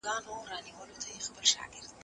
جانانه ژوند به دي خراب سي داسي مه كــوه تـه